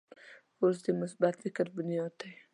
کورس د مثبت فکر بنیاد دی.